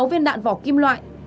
bốn mươi sáu viên đạn vỏ kim loại